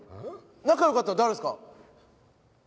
仲良かったの誰ですか？